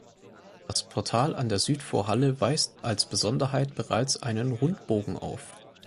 Das Portal an der Südvorhalle weist als Besonderheit bereits einen Rundbogen auf.